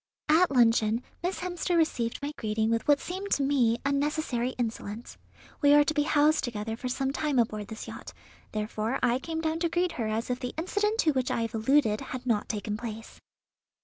At luncheon Miss Hemster received my greeting with what seemed to me unnecessary insolence. We are to be housed together for some time aboard this yacht; therefore I came down to greet her as if the incident to which I have alluded had not taken place."